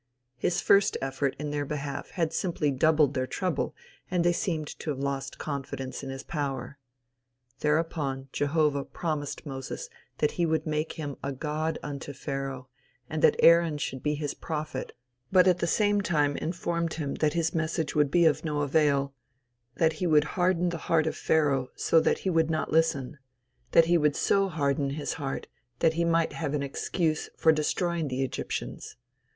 His first effort in their behalf had simply doubled their trouble and they seemed to have lost confidence in his power. Thereupon Jehovah promised Moses that he would make him a god unto Pharaoh, and that Aaron should be his prophet, but at the same time informed him that his message would be of no avail; that he would harden the heart of Pharaoh so that he would not listen; that he would so harden his heart that he might have an excuse for destroying the Egyptians.